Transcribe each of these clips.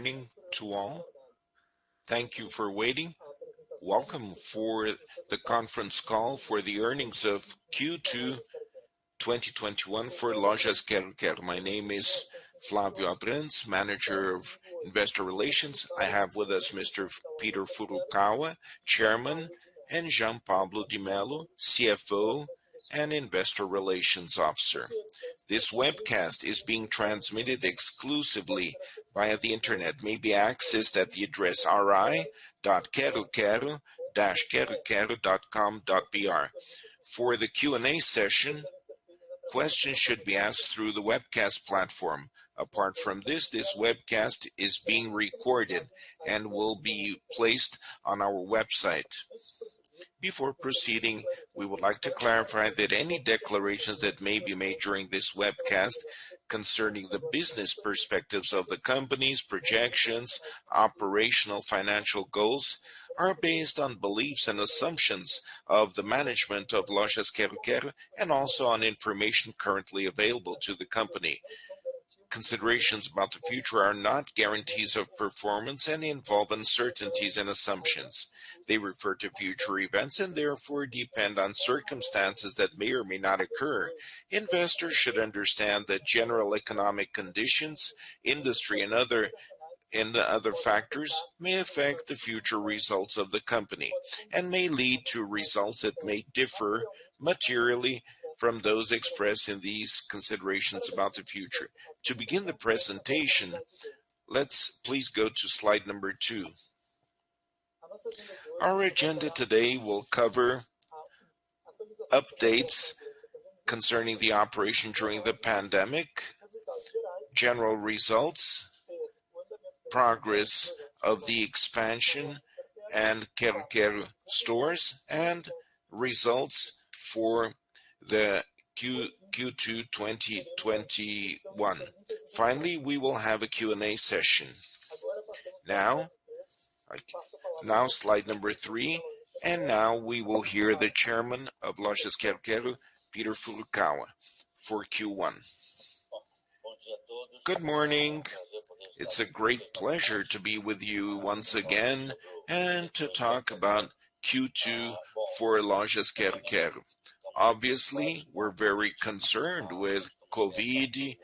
Good morning to all. Thank you for waiting. Welcome for the conference call for the earnings of Q2 2021 for Lojas Quero-Quero. My name is Flavio Abrantes, manager of investor relations. I have with us Mr. Peter Furukawa, Chairman, and Jean Pablo de Mello, CFO and Investor Relations Officer. This webcast is being transmitted exclusively via the Internet, may be accessed at the address ri.quero-quero.com.br. For the Q&A session, questions should be asked through the webcast platform. Apart from this webcast is being recorded and will be placed on our website. Before proceeding, we would like to clarify that any declarations that may be made during this webcast concerning the business perspectives of the company's projections, operational financial goals are based on beliefs and assumptions of the management of Lojas Quero-Quero and also on information currently available to the company. Considerations about the future are not guarantees of performance and involve uncertainties and assumptions. They refer to future events and therefore depend on circumstances that may or may not occur. Investors should understand that general economic conditions, industry, and other factors may affect the future results of the company and may lead to results that may differ materially from those expressed in these considerations about the future. To begin the presentation, let's please go to slide number two. Our agenda today will cover updates concerning the operation during the pandemic, general results, progress of the expansion and Quero-Quero stores, and results for the Q2 2021. Finally, we will have a Q&A session. Now, slide number three, now we will hear the Chairman of Lojas Quero-Quero, Peter Furukawa for Q1. Good morning. It's a great pleasure to be with you once again and to talk about Q2 for Lojas Quero-Quero. Obviously, we're very concerned with COVID.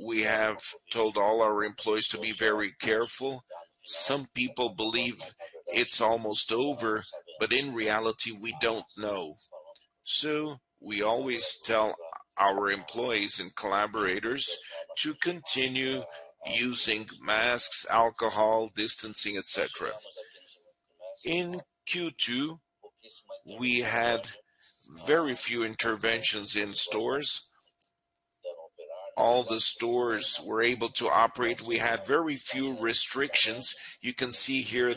We have told all our employees to be very careful. Some people believe it's almost over, but in reality, we don't know. We always tell our employees and collaborators to continue using masks, alcohol, distancing, et cetera. In Q2, we had very few interventions in stores. All the stores were able to operate. We had very few restrictions. You can see here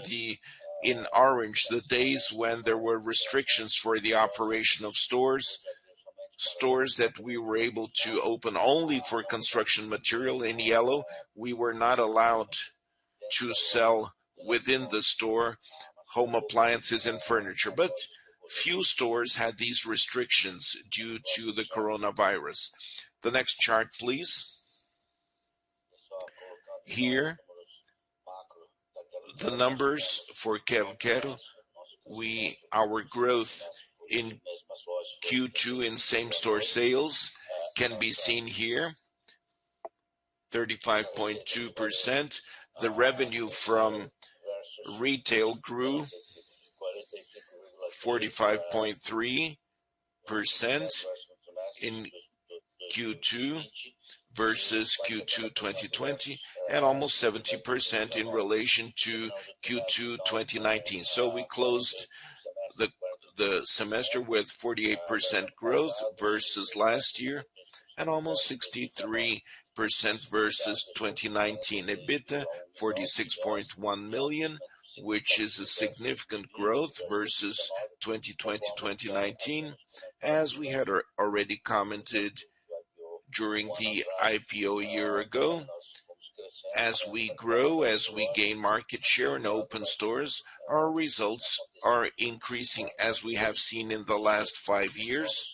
in orange the days when there were restrictions for the operation of stores. Stores that we were able to open only for construction material in yellow. We were not allowed to sell within the store home appliances and furniture, but few stores had these restrictions due to the coronavirus. The next chart, please. Here, the numbers for Quero-Quero. Our growth in Q2 in same-store sales can be seen here, 35.2%. The revenue from retail grew 45.3% in Q2 versus Q2 2020 and almost 17% in relation to Q2 2019. We closed the semester with 48% growth versus last year and almost 63% versus 2019. EBITDA 46.1 million, which is a significant growth versus 2020, 2019. As we had already commented during the IPO a year ago, as we grow, as we gain market share and open stores, our results are increasing as we have seen in the last five years.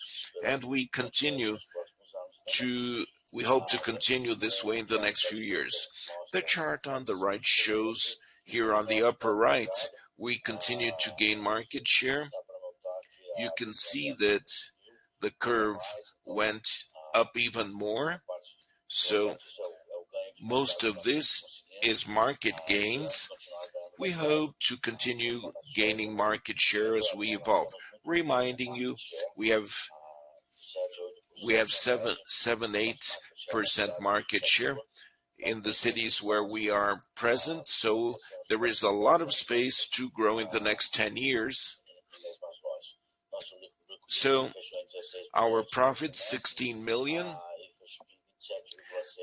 We hope to continue this way in the next few years. The chart on the right shows here on the upper right, we continue to gain market share. You can see that the curve went up even more. Most of this is market gains. We hope to continue gaining market share as we evolve. Reminding you, we have 78% market share in the cities where we are present, so there is a lot of space to grow in the next 10 years. Our profit is BRL 16 million,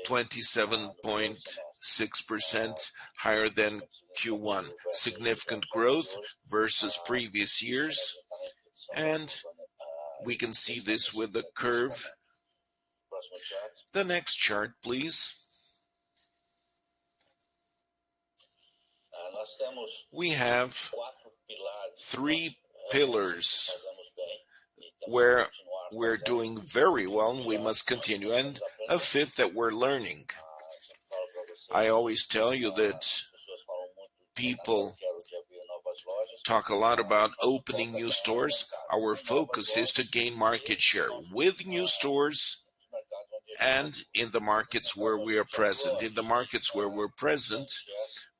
27.6% higher than Q1. Significant growth versus previous years, and we can see this with the curve. The next chart, please. We have three pillars where we're doing very well, we must continue, and a fifth that we're learning. I always tell you that people talk a lot about opening new stores. Our focus is to gain market share with new stores and in the markets where we are present. In the markets where we're present,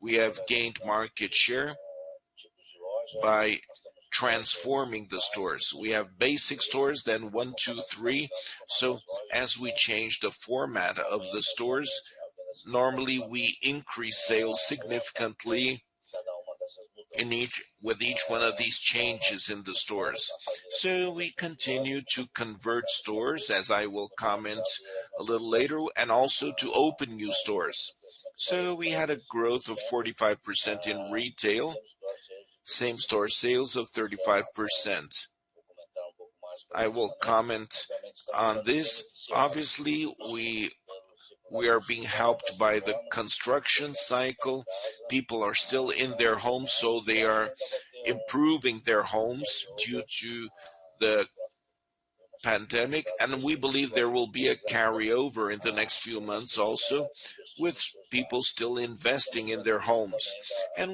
we have gained market share by transforming the stores. We have basic stores, then one, two, three. As we change the format of the stores, normally we increase sales significantly with each one of these changes in the stores. We continue to convert stores as I will comment a little later, and also to open new stores. We had a growth of 45% in retail, same-store sales of 35%. I will comment on this. Obviously, we are being helped by the construction cycle. People are still in their homes, so they are improving their homes due to the pandemic, and we believe there will be a carryover in the next few months also with people still investing in their homes.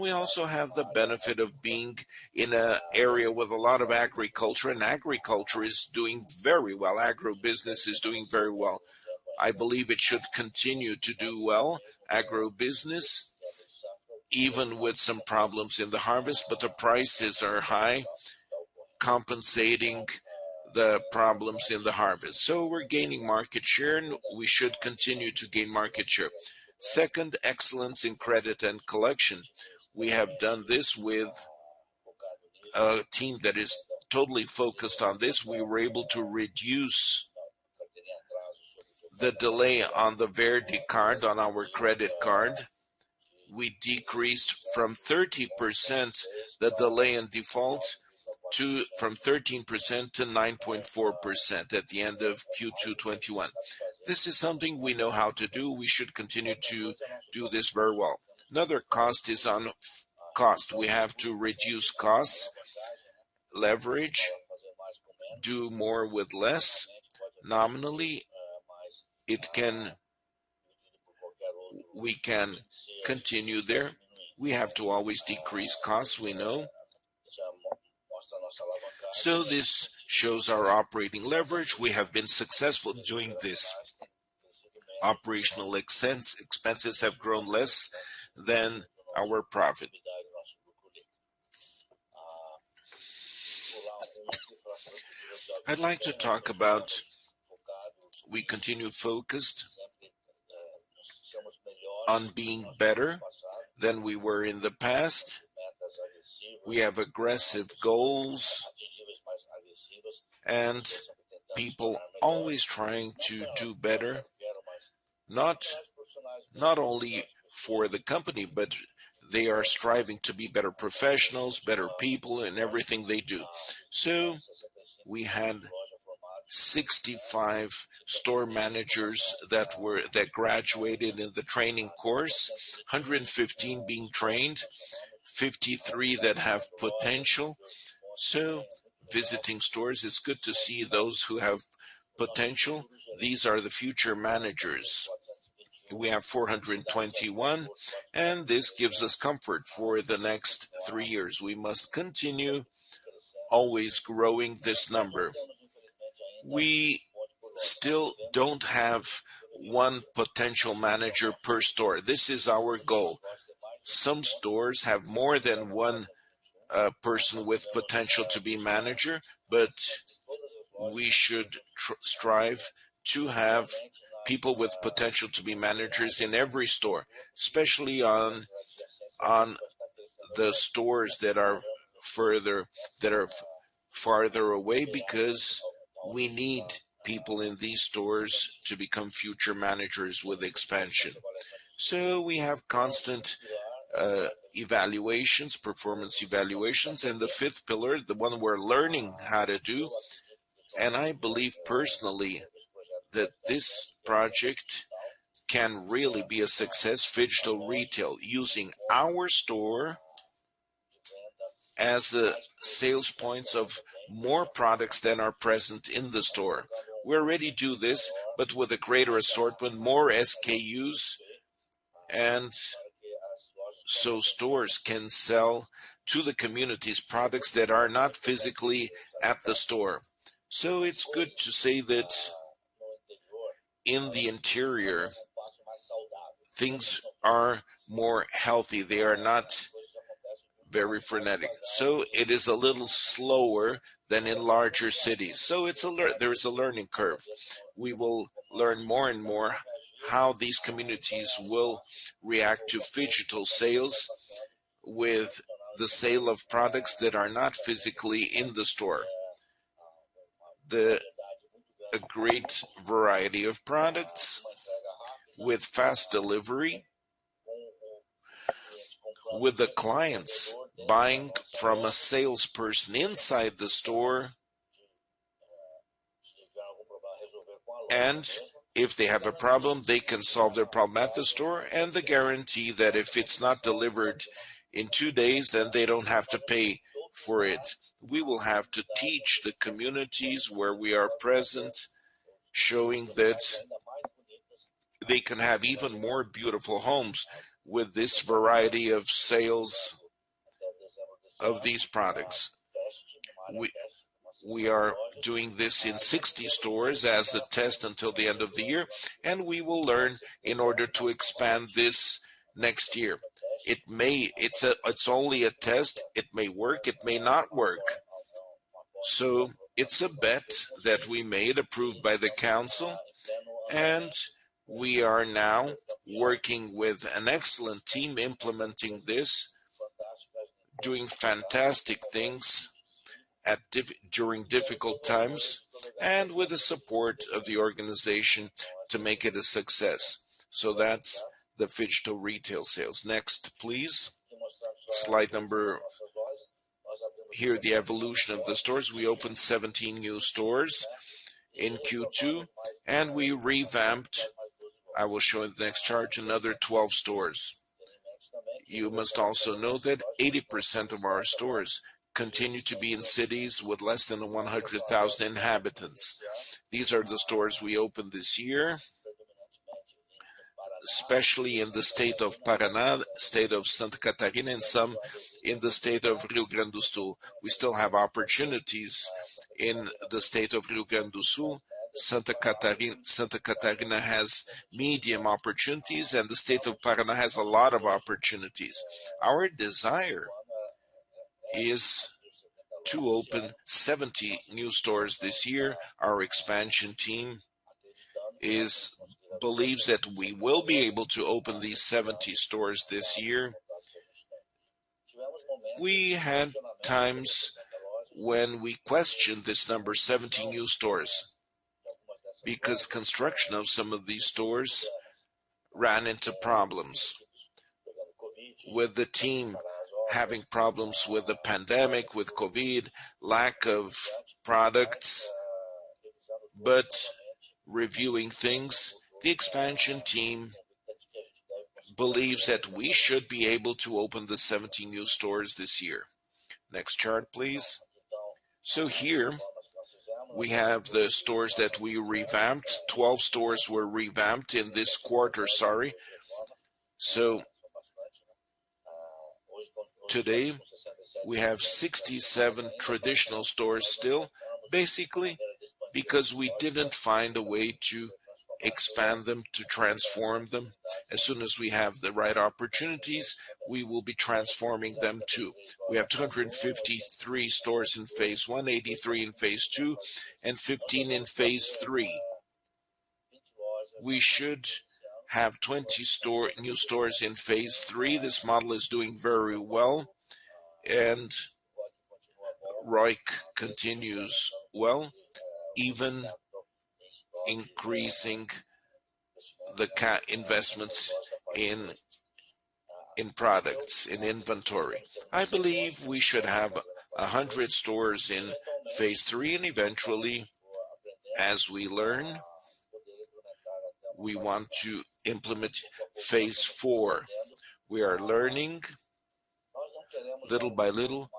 We also have the benefit of being in an area with a lot of agriculture, and agriculture is doing very well. Agribusiness is doing very well. I believe it should continue to do well, agribusiness, even with some problems in the harvest, but the prices are high, compensating the problems in the harvest. We're gaining market share and we should continue to gain market share. Second, excellence in credit and collection. We have done this with a team that is totally focused on this. We were able to reduce the delay on the VerdeCard, on our credit card. We decreased from 30%, the delay in default, from 13%-9.4% at the end of Q2 2021. This is something we know how to do. We should continue to do this very well. Another cost is on cost. We have to reduce costs, leverage, do more with less. Nominally, we can continue there. We have to always decrease costs, we know. This shows our operating leverage. We have been successful doing this. Operational expenses have grown less than our profit. I'd like to talk about we continue focused on being better than we were in the past. We have aggressive goals and people always trying to do better, not only for the company, but they are striving to be better professionals, better people in everything they do. We had 65 store managers that graduated in the training course, 115 being trained, 53 that have potential. Visiting stores, it's good to see those who have potential. These are the future managers. We have 421, this gives us comfort for the next three years. We must continue always growing this number. We still don't have one potential manager per store. This is our goal. Some stores have more than one person with potential to be manager, but we should strive to have people with potential to be managers in every store, especially on the stores that are farther away because we need people in these stores to become future managers with expansion. We have constant evaluations, performance evaluations. The fifth pillar, the one we're learning how to do, and I believe personally that this project can really be a success, phygital retail, using our store as the sales points of more products than are present in the store. We already do this, but with a greater assortment, more SKUs, stores can sell to the communities products that are not physically at the store. It's good to say that in the interior, things are more healthy. They are not very frenetic. It is a little slower than in larger cities. There is a learning curve. We will learn more and more how these communities will react to phygital sales with the sale of products that are not physically in the store. A great variety of products with fast delivery, with the clients buying from a salesperson inside the store. If they have a problem, they can solve their problem at the store. The guarantee that if it's not delivered in two days, then they don't have to pay for it. We will have to teach the communities where we are present, showing that they can have even more beautiful homes with this variety of sales of these products. We are doing this in 60 stores as a test until the end of the year. We will learn in order to expand this next year. It's only a test. It may work, it may not work. It's a bet that we made, approved by the Council, and we are now working with an excellent team implementing this, doing fantastic things during difficult times, and with the support of the organization to make it a success. That's the phygital retail sales. Next, please. Here the evolution of the stores. We opened 17 new stores in Q2, and we revamped, I will show in the next chart, another 12 stores. You must also know that 80% of our stores continue to be in cities with less than 100,000 inhabitants. These are the stores we opened this year, especially in the state of Paraná, state of Santa Catarina, and some in the state of Rio Grande do Sul. We still have opportunities in the state of Rio Grande do Sul. Santa Catarina has medium opportunities, and the state of Paraná has a lot of opportunities. Our desire is to open 70 new stores this year. Our expansion team believes that we will be able to open these 70 stores this year. We had times when we questioned this number, 70 new stores, because construction of some of these stores ran into problems with the team having problems with the pandemic, with COVID, lack of products. Reviewing things, the expansion team believes that we should be able to open the 70 new stores this year. Next chart, please. Here we have the stores that we revamped. 12 stores were revamped in this quarter, sorry. Today we have 67 traditional stores still, basically because we didn't find a way to expand them, to transform them. As soon as we have the right opportunities, we will be transforming them too. We have 253 stores in phase I, 83 in phase II, and 15 in phase III. We should have 20 new stores in phase III. This model is doing very well, and ROIC continues well, even increasing the investments in products, in inventory. I believe we should have 100 stores in phase III, and eventually, as we learn, we want to implement phase IV. We are learning little by little.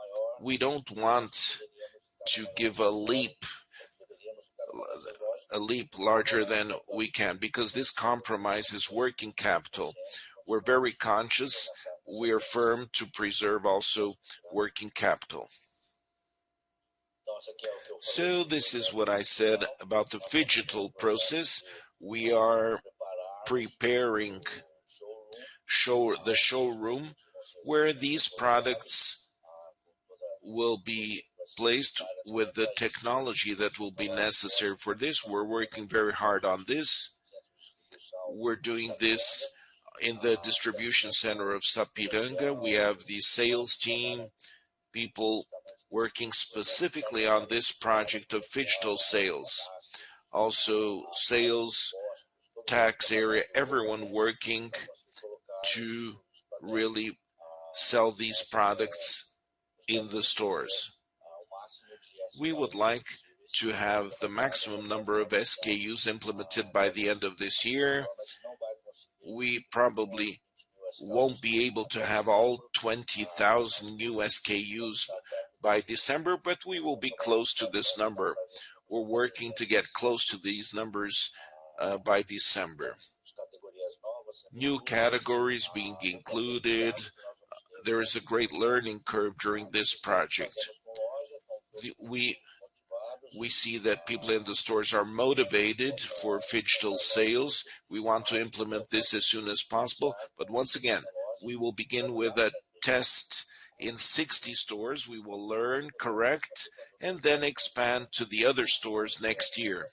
We don't want to give a leap larger than we can, because this compromises working capital. We're very conscious. We're firm to preserve also working capital. This is what I said about the phygital process. We are preparing the showroom where these products will be placed with the technology that will be necessary for this. We're working very hard on this. We're doing this in the distribution center of Sapiranga. We have the sales team, people working specifically on this project of phygital sales. Also sales tax area, everyone working to really sell these products in the stores. We would like to have the maximum number of SKUs implemented by the end of this year. We probably won't be able to have all 20,000 new SKUs by December, but we will be close to this number. We're working to get close to these numbers by December. New categories being included. There is a great learning curve during this project. We see that people in the stores are motivated for phygital sales. We want to implement this as soon as possible. Once again, we will begin with a test in 60 stores. We will learn, correct, and then expand to the other stores next year.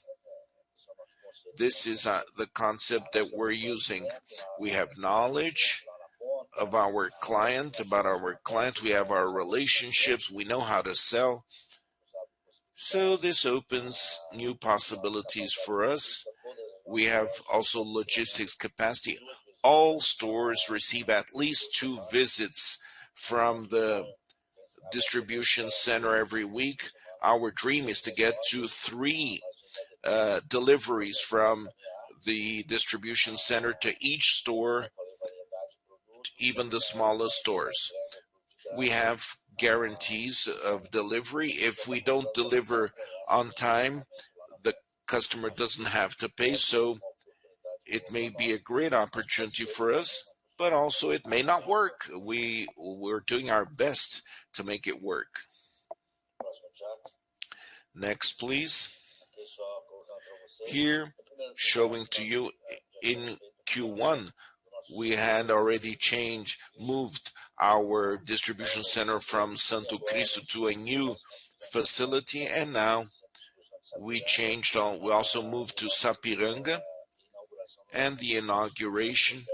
This is the concept that we're using. We have knowledge about our client. We have our relationships. We know how to sell. This opens new possibilities for us. We have also logistics capacity. All stores receive at least two visits from the Distribution center every week. Our dream is to get to three deliveries from the distribution center to each store, even the smallest stores. We have guarantees of delivery. If we don't deliver on time, the customer doesn't have to pay. It may be a great opportunity for us, but also it may not work. We're doing our best to make it work. Next, please. Here, showing to you in Q1, we had already moved our distribution center from Santo Cristo to a new facility, and now we also moved to Sapiranga. The inauguration.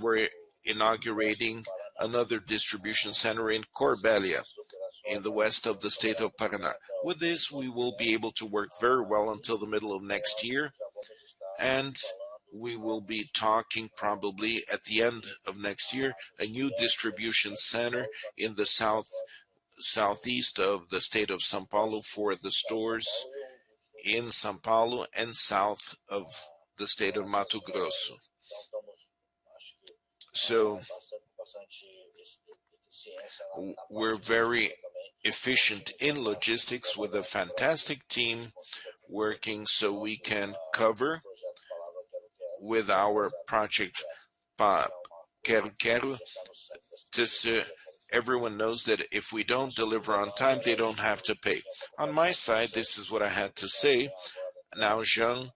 We're inaugurating another distribution center in Corbélia, in the west of the state of Paraná. This, we will be able to work very well until the middle of next year, and we will be talking probably at the end of next year, a new distribution center in the southeast of the state of São Paulo for the stores in São Paulo and south of the state of Mato Grosso. We're very efficient in logistics with a fantastic team working so we can cover with our project Quero-Quero. Everyone knows that if we don't deliver on time, they don't have to pay. On my side, this is what I had to say. Now Jean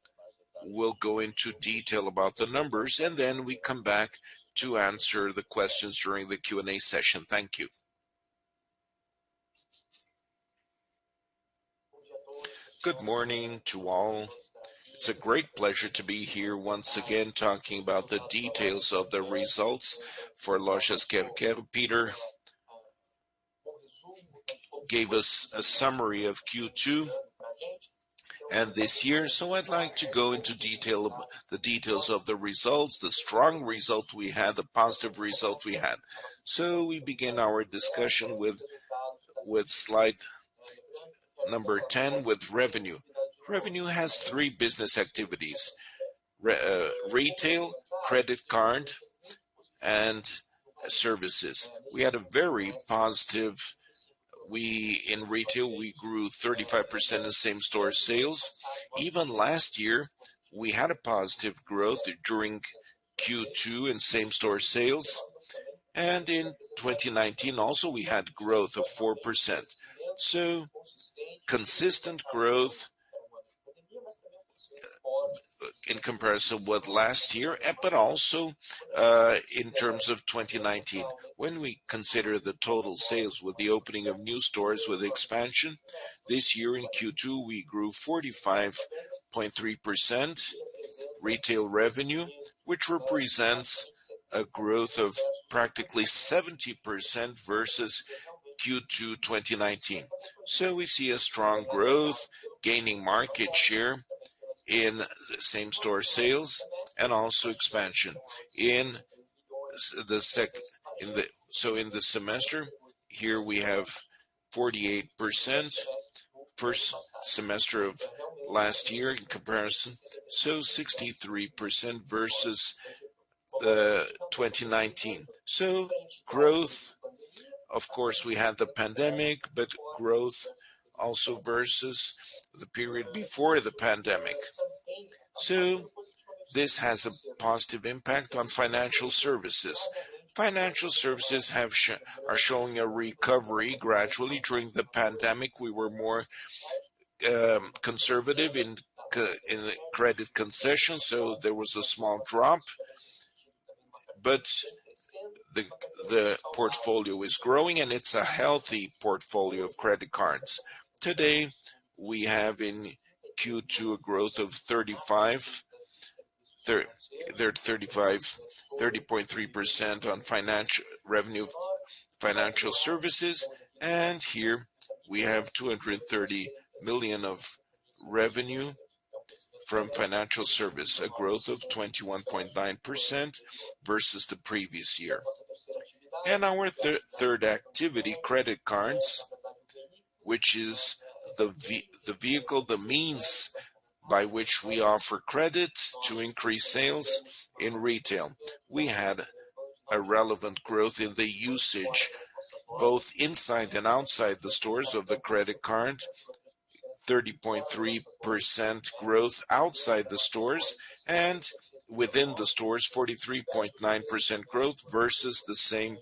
will go into detail about the numbers, and then we come back to answer the questions during the Q&A session. Thank you. Good morning to all. It's a great pleasure to be here once again, talking about the details of the results for Lojas Quero-Quero. Peter gave us a summary of Q2 and this year. I'd like to go into the details of the results, the strong result we had, the positive result we had. We begin our discussion with slide number 10 with revenue. Revenue has three business activities, retail, credit card, and services. In retail, we grew 35% in same-store sales. Even last year, we had a positive growth during Q2 in same-store sales. In 2019 also, we had growth of 4%. Consistent growth in comparison with last year, but also in terms of 2019. When we consider the total sales with the opening of new stores with expansion, this year in Q2, we grew 45.3% retail revenue, which represents a growth of practically 70% versus Q2 2019. We see a strong growth, gaining market share in same-store sales and also expansion. In the semester, here we have 48%, first semester of last year in comparison, 63% versus 2019. Growth, of course, we had the pandemic, but growth also versus the period before the pandemic. This has a positive impact on financial services. Financial services are showing a recovery gradually. During the pandemic, we were more conservative in credit concession, so there was a small drop, but the portfolio is growing, and it's a healthy portfolio of credit cards. Today, we have in Q2 a growth of 30.3% on revenue financial services, and here we have 230 million of revenue from financial service, a growth of 21.9% versus the previous year. Our third activity, credit cards, which is the vehicle, the means by which we offer credit to increase sales in retail. We had a relevant growth in the usage, both inside and outside the stores of the credit card, 30.3% growth outside the stores, and within the stores, 43.9% growth versus the same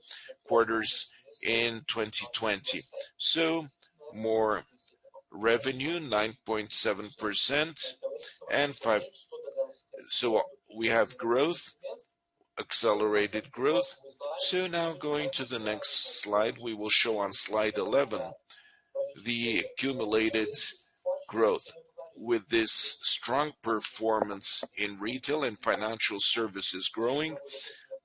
quarters in 2020. More revenue, 9.7%. We have growth, accelerated growth. Now going to the next slide, we will show on slide 11 the accumulated growth. With this strong performance in retail and financial services growing,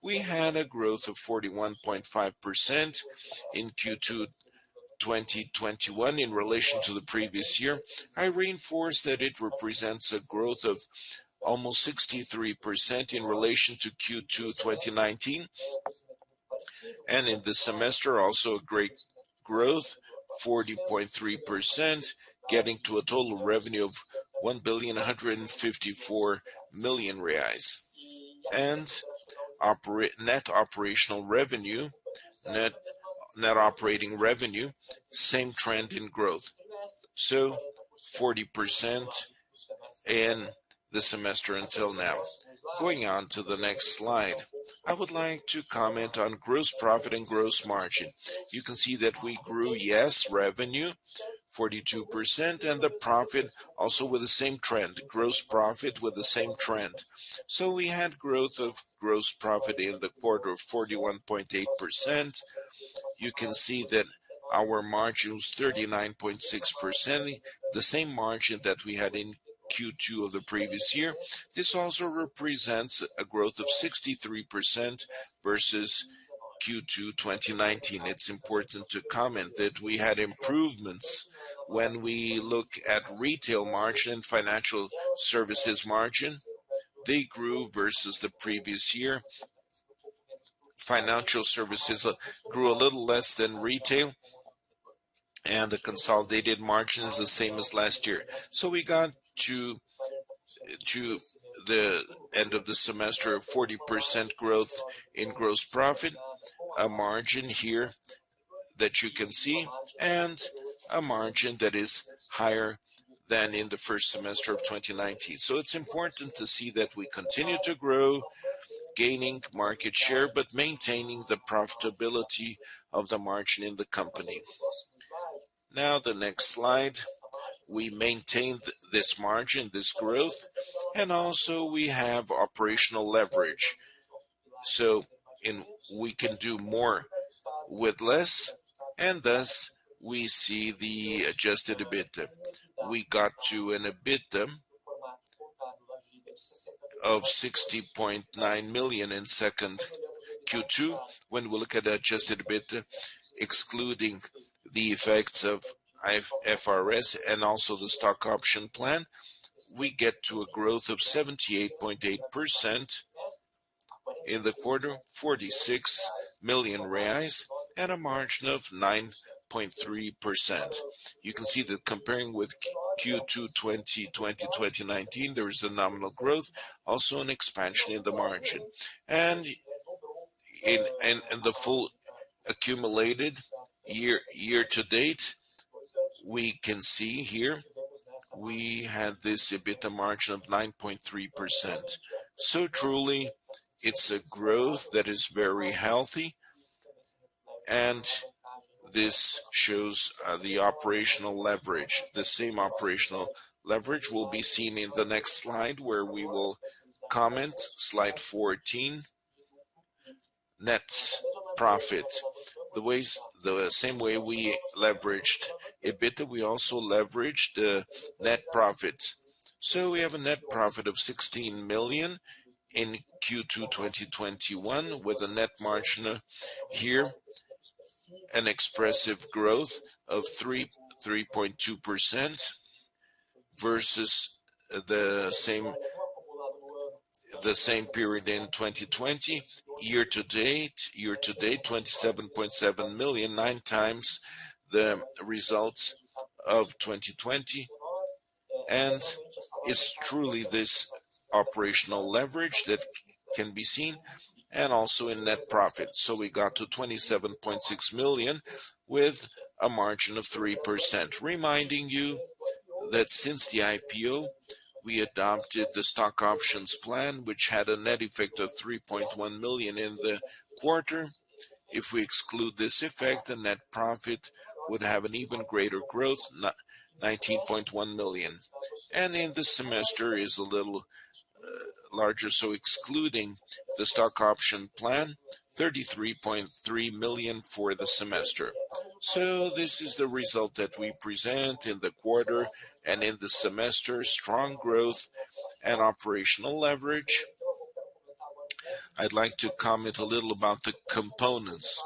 we had a growth of 41.5% in Q2 2021 in relation to the previous year. I reinforce that it represents a growth of almost 63% in relation to Q2 2019. In the semester, also a great growth, 40.3%, getting to a total revenue of 1.154 reais. Net operating revenue, same trend in growth. 40% in the semester until now. Going on to the next slide. I would like to comment on gross profit and gross margin. You can see that we grew, yes, revenue 42%, and the profit also with the same trend, gross profit with the same trend. We had growth of gross profit in the quarter of 41.8%. You can see that our margin was 39.6%, the same margin that we had in Q2 of the previous year. This also represents a growth of 63% versus Q2 2019. It's important to comment that we had improvements when we look at retail margin, financial services margin, they grew versus the previous year. Financial services grew a little less than retail, and the consolidated margin is the same as last year. We got to the end of the semester, a 40% growth in gross profit, a margin here that you can see, and a margin that is higher than in the first semester of 2019. It's important to see that we continue to grow, gaining market share, but maintaining the profitability of the margin in the company. The next slide, we maintain this margin, this growth, and also we have operational leverage. We can do more with less, and thus we see the adjusted EBITDA. We got to an EBITDA of 60.9 million in second Q2. When we look at the adjusted EBITDA, excluding the effects of IFRS and also the stock option plan, we get to a growth of 78.8% in the quarter, 46 million reais at a margin of 9.3%. You can see that comparing with Q2 2020, 2019, there is a nominal growth, also an expansion in the margin. The full accumulated year to date, we can see here we had this EBITDA margin of 9.3%. Truly, it's a growth that is very healthy, and this shows the operational leverage. The same operational leverage will be seen in the next slide, where we will comment, slide 14, net profit. The same way we leveraged EBITDA, we also leveraged the net profit. We have a net profit of 16 million in Q2 2021 with a net margin here, an expressive growth of 3.2% versus the same period in 2020. Year to date, 27.7 million, nine times the results of 2020. It's truly this operational leverage that can be seen and also in net profit. We got to 27.6 million with a margin of 3%. Reminding you that since the IPO, we adopted the stock options plan, which had a net effect of 3.1 million in the quarter. If we exclude this effect, the net profit would have an even greater growth, 19.1 million. In the semester is a little larger, excluding the stock option plan, 33.3 million for the semester. This is the result that we present in the quarter and in the semester, strong growth and operational leverage. I'd like to comment a little about the components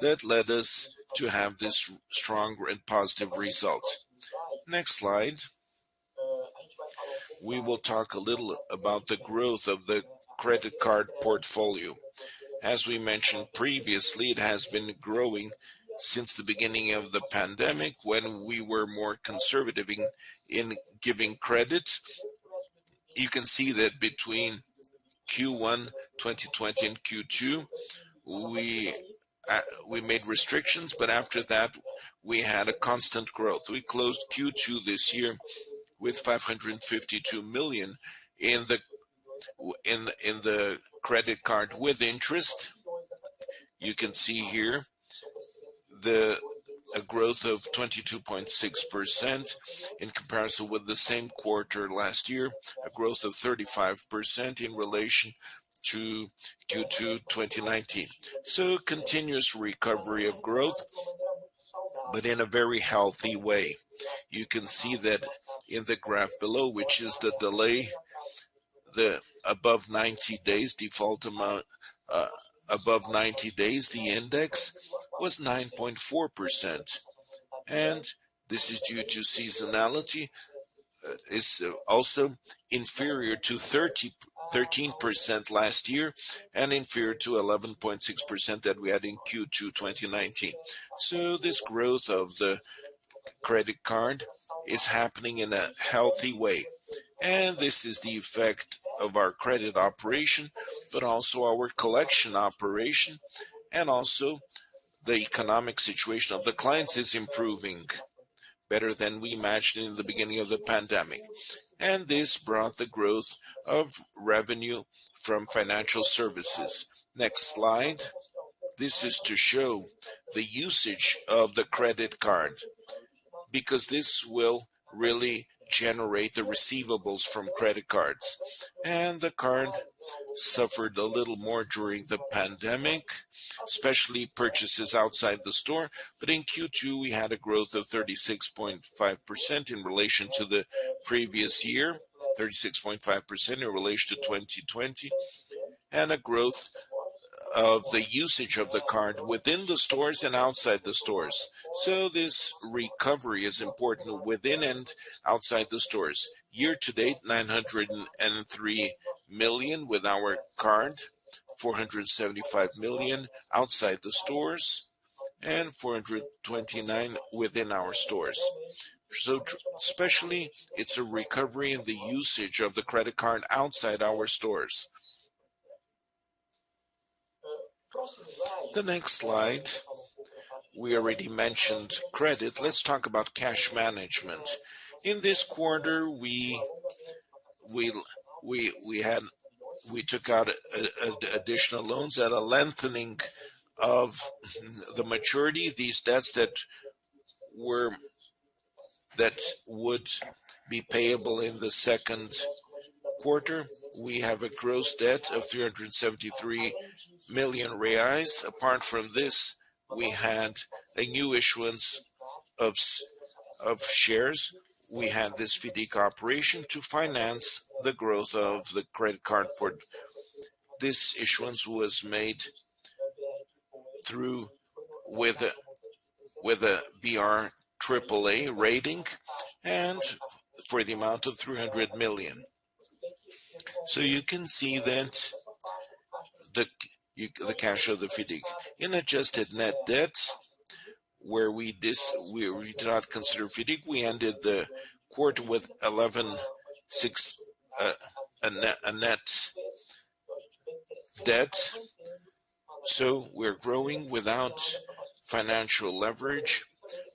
that led us to have this strong and positive result. Next slide. We will talk a little about the growth of the credit card portfolio. As we mentioned previously, it has been growing since the beginning of the pandemic when we were more conservative in giving credit. You can see that between Q1 2020 and Q2, we made restrictions, after that, we had a constant growth. We closed Q2 this year with 552 million in the credit card with interest. You can see here a growth of 22.6% in comparison with the same quarter last year, a growth of 35% in relation to Q2 2019. Continuous recovery of growth, but in a very healthy way. You can see that in the graph below, which is the delay above 90 days default amount, above 90 days, the index was 9.4%, and this is due to seasonality. It's also inferior to 13% last year and inferior to 11.6% that we had in Q2 2019. This growth of the credit card is happening in a healthy way, and this is the effect of our credit operation, but also our collection operation, and also the economic situation of the clients is improving better than we imagined in the beginning of the pandemic. This brought the growth of revenue from financial services. Next slide. This is to show the usage of the credit card, because this will really generate the receivables from credit cards. The card suffered a little more during the pandemic, especially purchases outside the store. In Q2, we had a growth of 36.5% in relation to the previous year, 36.5% in relation to 2020, and a growth of the usage of the card within the stores and outside the stores. This recovery is important within and outside the stores. Year to date, 903 million with our card, 475 million outside the stores and 429 million within our stores. Especially, it's a recovery in the usage of the credit card outside our stores. The next slide. We already mentioned credit. Let's talk about cash management. In this quarter, we took out additional loans at a lengthening of the maturity of these debts that would be payable in the Q2. We have a gross debt of 373 million reais. We had a new issuance of shares. We had this FIDC operation to finance the growth of the credit card. This issuance was made with a BR AAA rating and for the amount of 300 million. You can see the cash of the FIDC. In adjusted net debt, where we do not consider FIDC, we ended the quarter with a net debt. We're growing without financial leverage.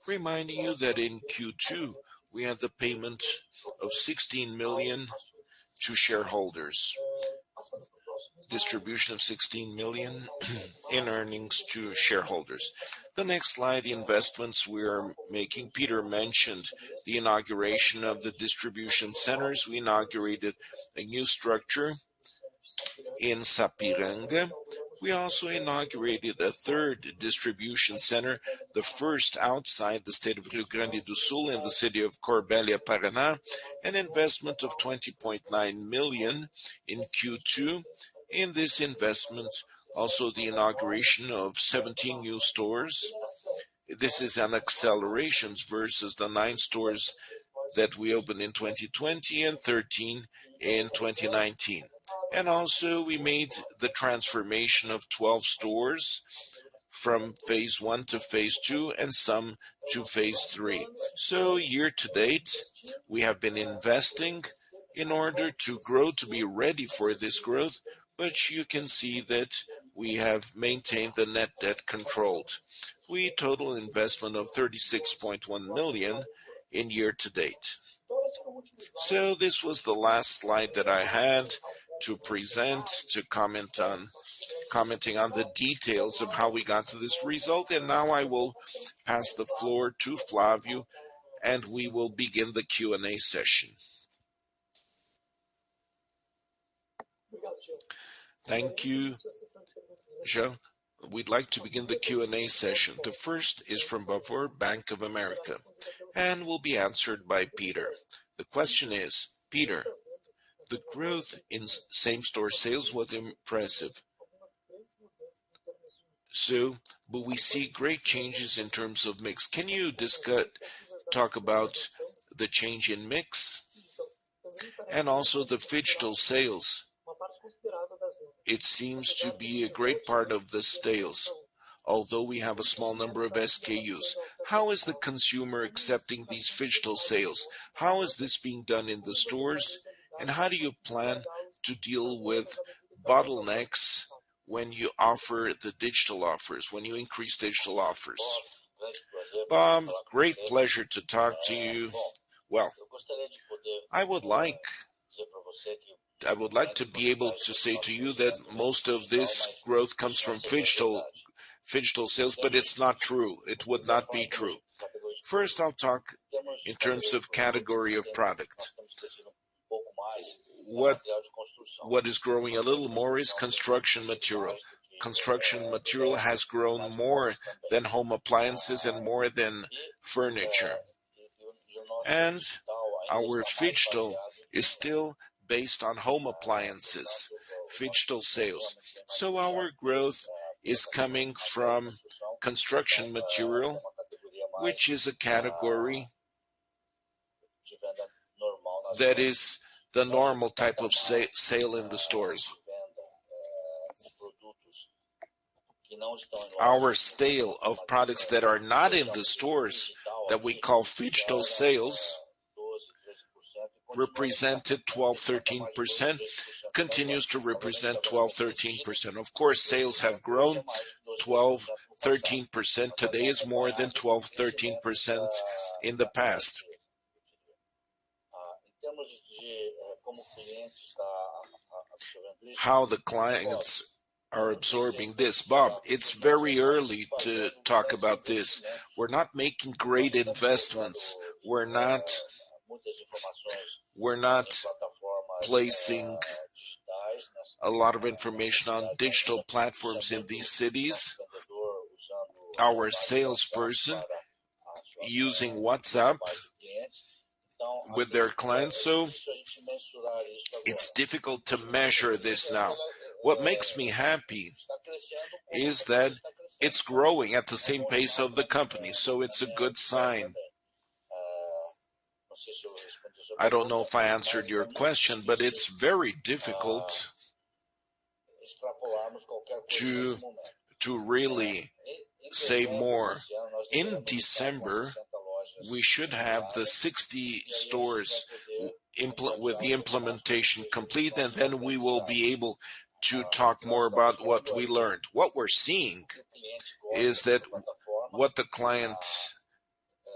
Reminding you that in Q2, we had the payment of 16 million to shareholders. Distribution of 16 million in earnings to shareholders. The next slide, the investments we are making. Peter mentioned the inauguration of the distribution centers. We inaugurated a new structure in Sapiranga. We also inaugurated a third distribution center, the first outside the state of Rio Grande do Sul in the city of Corbélia, Paraná, an investment of 20.9 million in Q2. In this investment, also the inauguration of 17 new stores. This is an acceleration versus the 9 stores that we opened in 2020 and 13 in 2019. Also we made the transformation of 12 stores from phase one to phase two and some to phase three. Year to date, we have been investing in order to grow, to be ready for this growth, but you can see that we have maintained the net debt controlled. We total investment of 36.1 million in year to date. This was the last slide that I had to present, to commenting on the details of how we got to this result. Now I will pass the floor to Flavio, and we will begin the Q&A session. Thank you, Jean. We'd like to begin the Q&A session. The first is from Bob Ford, Bank of America, and will be answered by Peter. The question is, Peter, the growth in same-store sales was impressive. We see great changes in terms of mix. Can you talk about the change in mix and also the phygital sales? It seems to be a great part of the sales, although we have a small number of SKUs. How is the consumer accepting these phygital sales? How is this being done in the stores? How do you plan to deal with bottlenecks when you offer the digital offers, when you increase digital offers? Bob, great pleasure to talk to you. Well, I would like to be able to say to you that most of this growth comes from phygital sales, it's not true. It would not be true. First, I'll talk in terms of category of product. What is growing a little more is construction material. Construction material has grown more than home appliances and more than furniture. Our phygital is still based on home appliances, phygital sales. Our growth is coming from construction material, which is a category that is the normal type of sale in the stores. Our sale of products that are not in the stores, that we call phygital sales, represented 12%-13%, continues to represent 12%-13%. Of course, sales have grown. 12%-13% today is more than 12%-13% in the past. How the clients are absorbing this, Bob, it's very early to talk about this. We're not making great investments. We're not placing a lot of information on digital platforms in these cities. Our salesperson using WhatsApp with their clients. It's difficult to measure this now. What makes me happy is that it's growing at the same pace of the company. It's a good sign. I don't know if I answered your question. It's very difficult to really say more. In December, we should have the 60 stores with the implementation complete. We will be able to talk more about what we learned. What we're seeing is that what the client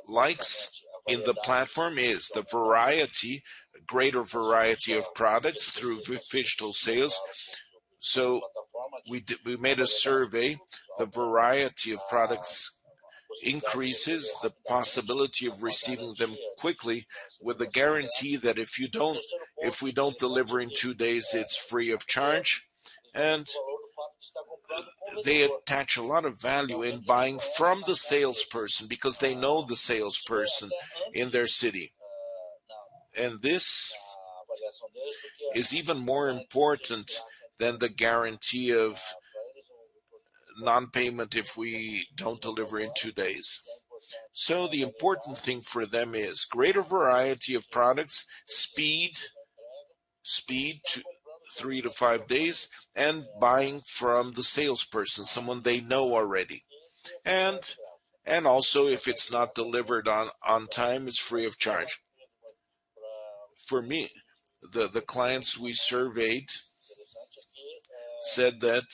likes in the platform is the variety, greater variety of products through phygital sales. We made a survey. The variety of products increases the possibility of receiving them quickly with the guarantee that if we don't deliver in two days, it's free of charge. They attach a lot of value in buying from the salesperson because they know the salesperson in their city. This is even more important than the guarantee of non-payment if we don't deliver in two days. The important thing for them is greater variety of products, speed, 3-5 days, and buying from the salesperson, someone they know already. Also, if it's not delivered on time, it's free of charge. For me, the clients we surveyed said that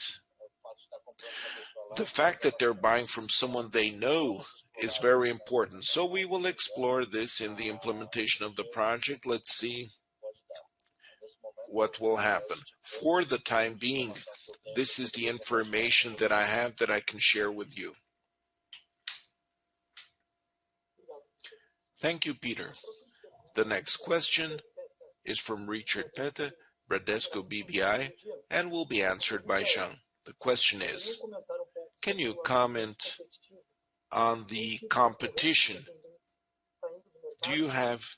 the fact that they're buying from someone they know is very important. We will explore this in the implementation of the project. Let's see what will happen. For the time being, this is the information that I have that I can share with you. Thank you, Peter. The next question is from Richard Cathcart, Bradesco BBI, and will be answered by Jean. The question is: Can you comment on the competition? Do you have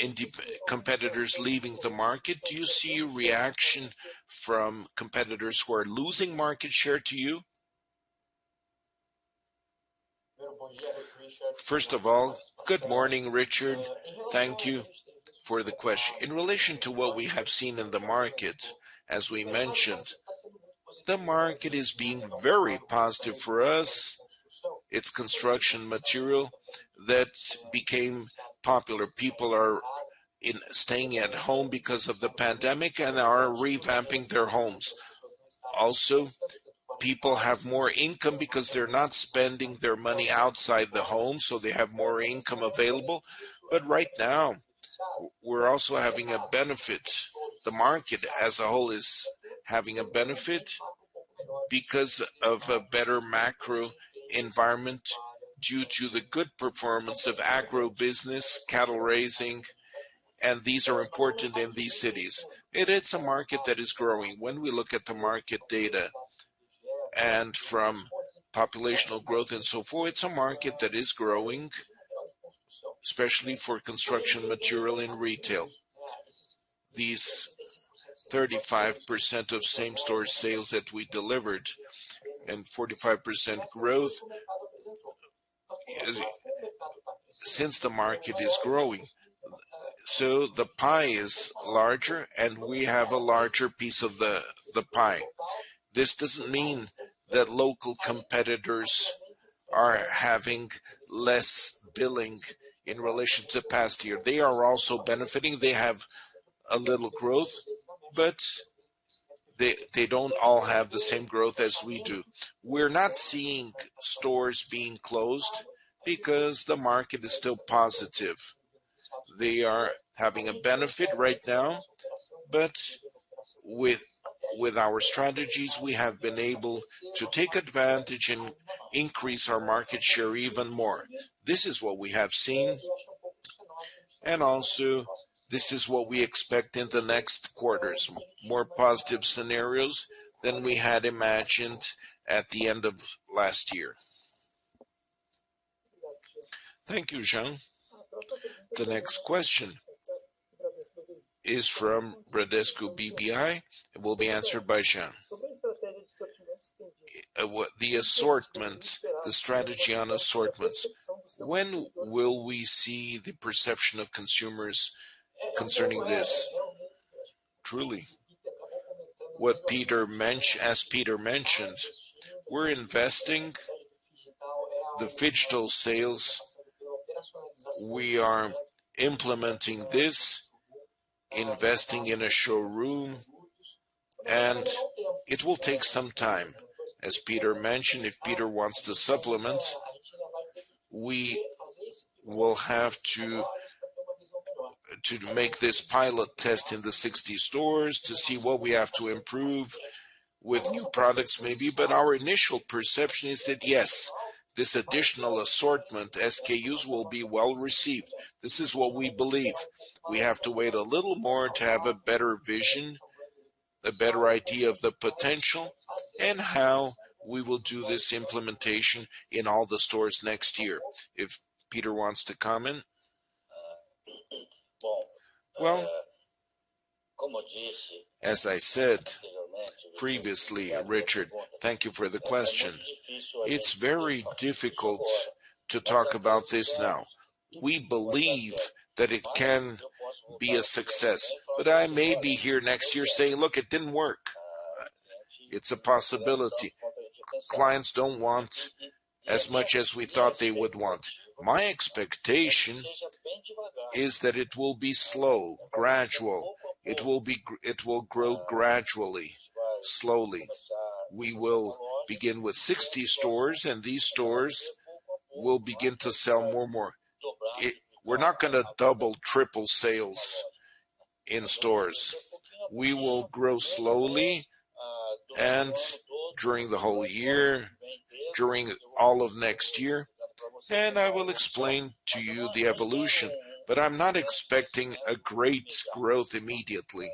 any competitors leaving the market? Do you see a reaction from competitors who are losing market share to you? First of all, good morning, Richard. Thank you for the question. In relation to what we have seen in the market, as we mentioned, the market is being very positive for us. It's construction material that became popular. People are staying at home because of the pandemic and are revamping their homes. Also, people have more income because they're not spending their money outside the home, so they have more income available. Right now, we're also having a benefit. The market as a whole is having a benefit because of a better macro environment due to the good performance of agribusiness, cattle raising, and these are important in these cities. It's a market that is growing. When we look at the market data and from populational growth and so forth, it's a market that is growing, especially for construction material in retail. These 35% of same-store sales that we delivered and 45% growth since the market is growing. The pie is larger, and we have a larger piece of the pie. This doesn't mean that local competitors are having less billing in relation to past year. They are also benefiting. They have a little growth. They don't all have the same growth as we do. We're not seeing stores being closed because the market is still positive. They are having a benefit right now, but with our strategies, we have been able to take advantage and increase our market share even more. This is what we have seen, and also this is what we expect in the next quarters, more positive scenarios than we had imagined at the end of last year. Thank you, Jean. The next question is from Bradesco BBI and will be answered by Jean. The assortment, the strategy on assortments. When will we see the perception of consumers concerning this? Truly, as Peter mentioned, we're investing the phygital sales. We are implementing this, investing in a showroom, and it will take some time. As Peter mentioned, if Peter wants to supplement, we will have to make this pilot test in the 60 stores to see what we have to improve with new products maybe. Our initial perception is that, yes, this additional assortment SKUs will be well-received. This is what we believe. We have to wait a little more to have a better vision, a better idea of the potential, and how we will do this implementation in all the stores next year. If Peter wants to comment. Well, as I said previously, Richard, thank you for the question. It's very difficult to talk about this now. We believe that it can be a success, but I may be here next year saying, "Look, it didn't work." It's a possibility. Clients don't want as much as we thought they would want. My expectation is that it will be slow, gradual. It will grow gradually, slowly. We will begin with 60 stores, and these stores will begin to sell more and more. We're not going to double, triple sales in stores. We will grow slowly and during the whole year, during all of next year, and I will explain to you the evolution. I'm not expecting a great growth immediately,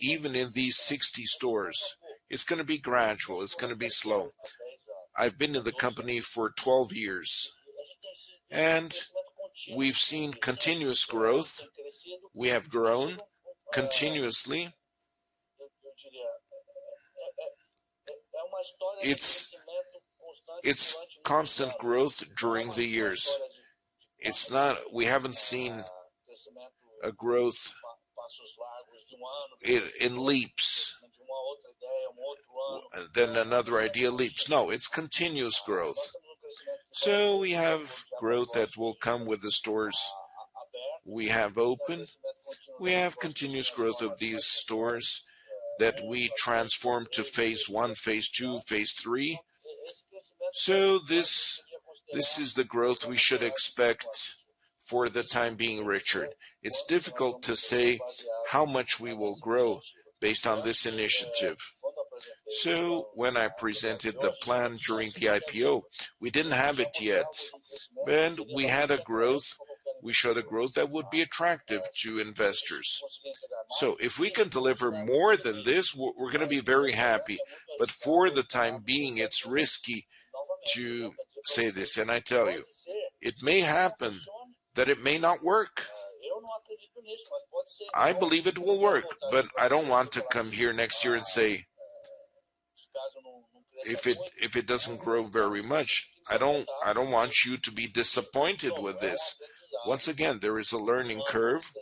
even in these 60 stores. It's going to be gradual. It's going to be slow. I've been in the company for 12 years, and we've seen continuous growth. We have grown continuously. It's constant growth during the years. We haven't seen a growth in leaps. Another idea leaps. No, it's continuous growth. We have growth that will come with the stores we have opened. We have continuous growth of these stores that we transformed to phase I, phase II, phase III. This is the growth we should expect for the time being, Richard. It's difficult to say how much we will grow based on this initiative. When I presented the plan during the IPO, we didn't have it yet, and we had a growth, we showed a growth that would be attractive to investors. If we can deliver more than this, we're going to be very happy. For the time being, it's risky to say this, and I tell you, it may happen that it may not work. I believe it will work, but I don't want to come here next year and say if it doesn't grow very much, I don't want you to be disappointed with this. Once again, there is a learning curve,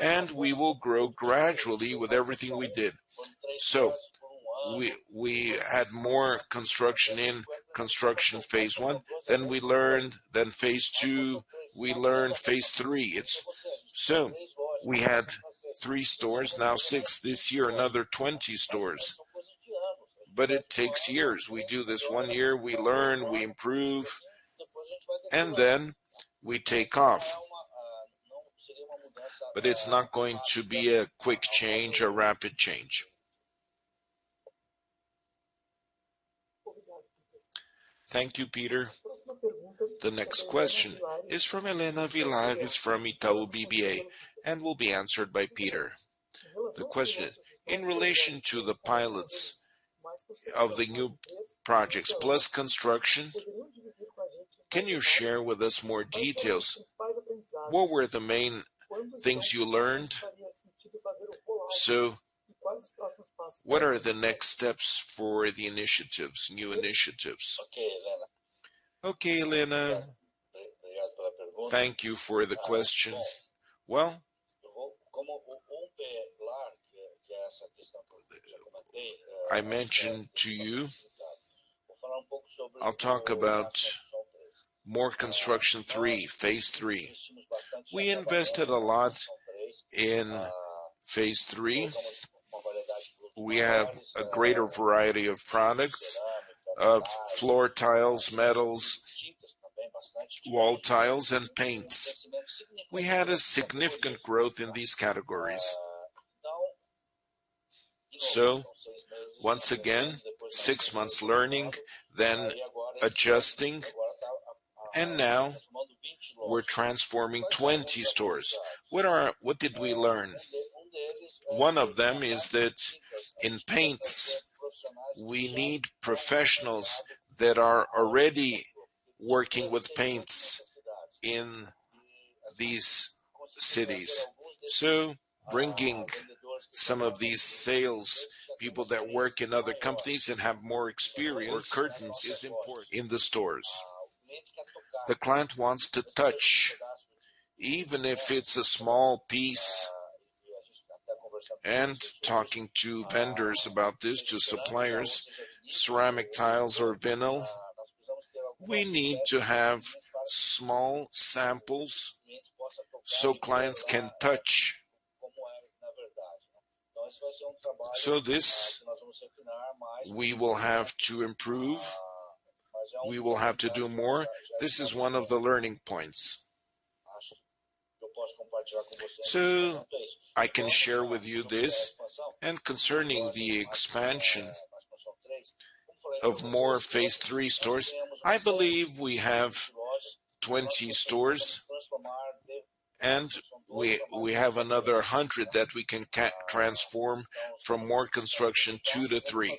and we will grow gradually with everything we did. We had more construction in construction phase I, then we learned, then phase II, we learned phase III. We had three stores, now six this year, another 20 stores. It takes years. We do this one year, we learn, we improve, and then we take off. It's not going to be a quick change, a rapid change. Thank you, Peter. The next question is from Helena Villares from Itaú BBA and will be answered by Peter. The question is, in relation to the pilots of the new projects plus construction, can you share with us more details? What were the main things you learned? What are the next steps for the initiatives, new initiatives? Okay, Helena. Thank you for the question. Well, I mentioned to you, I'll talk about more construction phase III. We invested a lot in phase III. We have a greater variety of products, of floor tiles, metals, wall tiles, and paints. We had a significant growth in these categories. Once again, six months learning, then adjusting, and now we're transforming 20 stores. What did we learn? One of them is that in paints, we need professionals that are already working with paints in these cities. Bringing some of these sales people that work in other companies and have more experience is important. Curtains in the stores. The client wants to touch, even if it's a small piece, and talking to vendors about this, to suppliers, ceramic tiles or vinyl, we need to have small samples so clients can touch. This we will have to improve. We will have to do more. This is one of the learning points. I can share with you this. Concerning the expansion of more phase III stores, I believe we have 20 stores, and we have another 100 that we can transform from more construction two to three.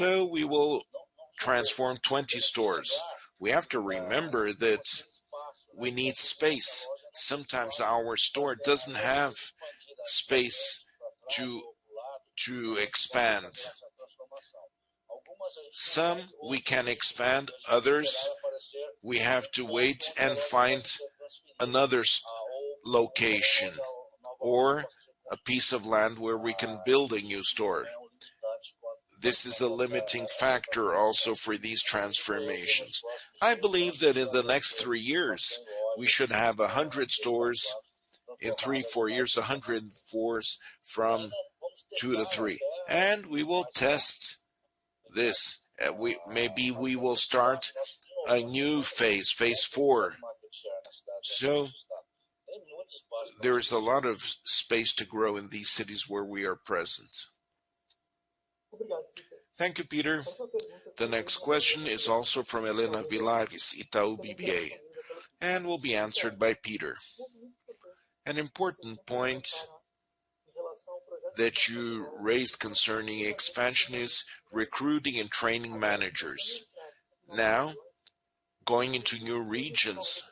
We will transform 20 stores. We have to remember that we need space. Sometimes our store doesn't have space to expand. Some we can expand, others we have to wait and find another location or a piece of land where we can build a new store. This is a limiting factor also for these transformations. I believe that in the next three years, we should have 100 stores. In three, four years, 100 stores from two to three. We will test this. Maybe we will start a new phase IV. There is a lot of space to grow in these cities where we are present. Thank you, Peter. The next question is also from Helena Villares, Itaú BBA, will be answered by Peter. An important point that you raised concerning expansion is recruiting and training managers. Going into new regions,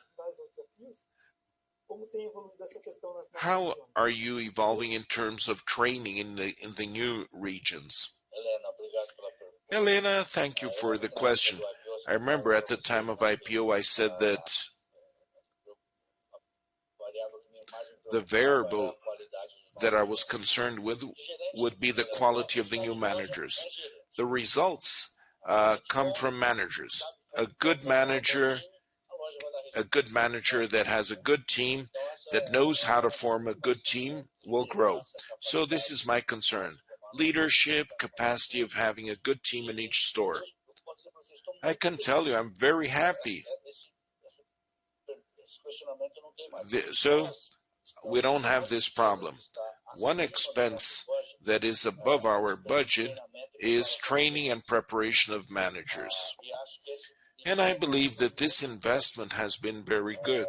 how are you evolving in terms of training in the new regions? Helena, thank you for the question. I remember at the time of IPO, I said that the variable that I was concerned with would be the quality of the new managers. The results come from managers. A good manager that has a good team, that knows how to form a good team, will grow. This is my concern, leadership, capacity of having a good team in each store. I can tell you I'm very happy. We don't have this problem. One expense that is above our budget is training and preparation of managers, and I believe that this investment has been very good.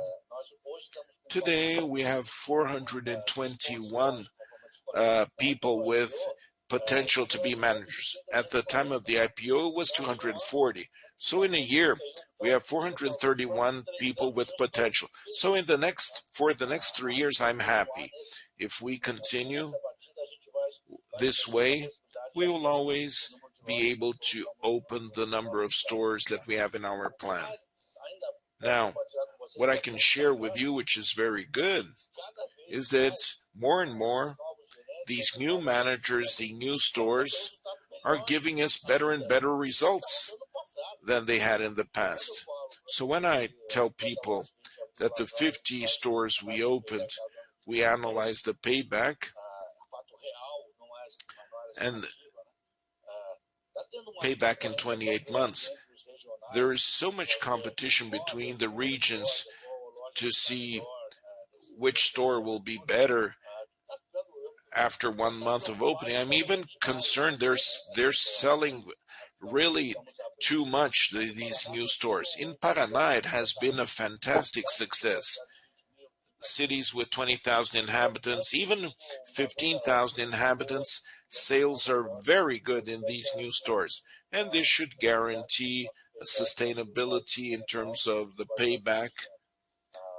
Today, we have 421 people with potential to be managers. At the time of the IPO, it was 240. In a year, we have 431 people with potential. For the next three years, I'm happy. If we continue this way, we will always be able to open the number of stores that we have in our plan. What I can share with you, which is very good, is that more and more, these new managers, the new stores, are giving us better and better results than they had in the past. When I tell people that the 50 stores we opened, we analyzed the payback, and payback in 28 months. There is so much competition between the regions to see which store will be better after one month of opening. I'm even concerned they're selling really too much, these new stores. In Paraná, it has been a fantastic success. Cities with 20,000 inhabitants, even 15,000 inhabitants, sales are very good in these new stores, and this should guarantee sustainability in terms of the payback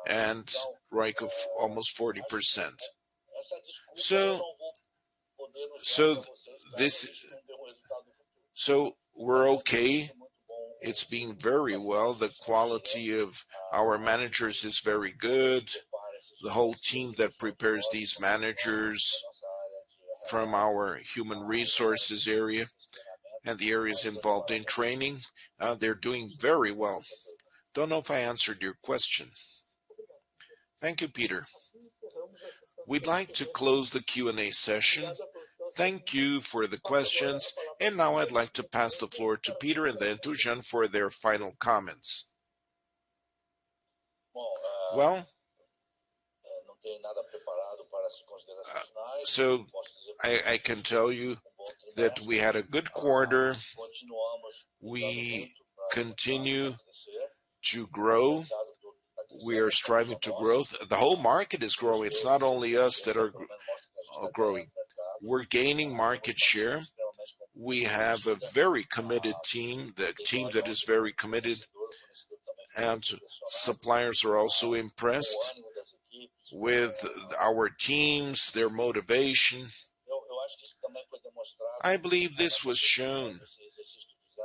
and ROIC of almost 40%. We're okay. It's been very well. The quality of our managers is very good. The whole team that prepares these managers from our human resources area and the areas involved in training, they're doing very well. Don't know if I answered your question. Thank you, Peter. We'd like to close the Q&A session. Thank you for the questions. Now I'd like to pass the floor to Peter and then Jean for their final comments. I can tell you that we had a good quarter. We continue to grow. We are striving to growth. The whole market is growing. It's not only us that are growing. We're gaining market share. We have a very committed team, the team that is very committed, and suppliers are also impressed with our teams, their motivation. I believe this was shown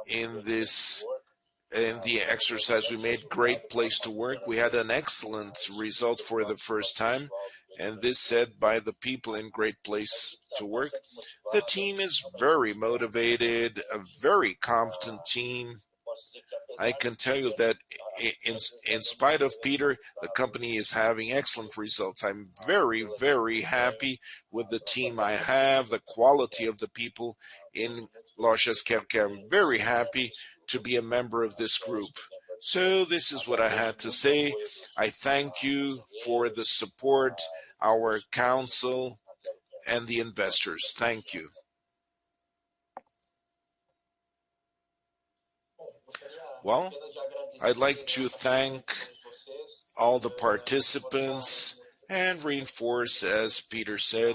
in the exercise we made, Great Place to Work. We had an excellent result for the first time, this said by the people in Great Place to Work. The team is very motivated, a very competent team. I can tell you that in spite of Peter, the company is having excellent results. I'm very, very happy with the team I have, the quality of the people in Lojas Quero-Quero. Very happy to be a member of this group. This is what I had to say. I thank you for the support, our council, and the investors. Thank you. I'd like to thank all the participants and reinforce, as Peter said,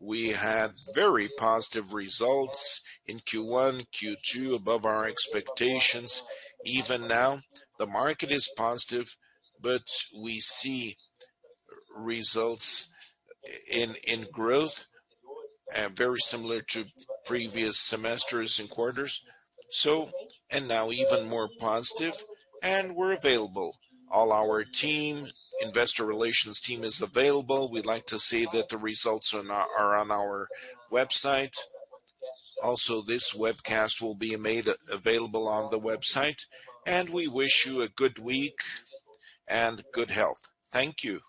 we had very positive results in Q1, Q2 above our expectations. Even now, the market is positive, but we see results in growth very similar to previous semesters and quarters. Now even more positive and we're available. All our team, Investor Relations team is available. We'd like to say that the results are on our website. This webcast will be made available on the website. We wish you a good week and good health. Thank you.